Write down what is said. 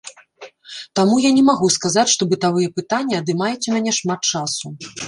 Таму я не магу сказаць, што бытавая пытанні адымаюць у мяне шмат часу.